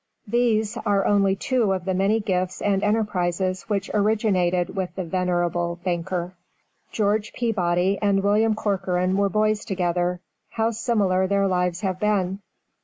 These are only two of the many gifts and enterprises which originated with the venerable banker. George Peabody and William Corcoran were boys together; how similar their lives have been.